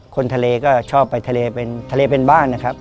คนทะเลก็ชอบไปทะเลเป็นบ้านนะครับ